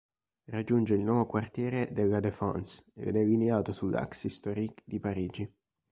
Raggiunge il nuovo quartiere de La Défense ed è allineato sull'Axe historique di Parigi.